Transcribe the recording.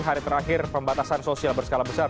hari terakhir pembatasan sosial berskala besar